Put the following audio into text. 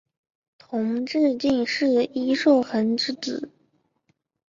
同治进士尹寿衡之子。